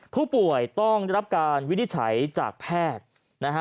ผู้ป่วยต้องได้รับการวินิจฉัยจากแพทย์นะฮะ